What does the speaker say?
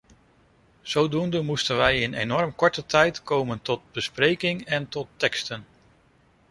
Zodoende moesten wij in enorm korte tijd komen tot bespreking en tot teksten.